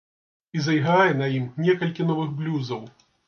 І зайграе на ім некалькі новых блюзаў.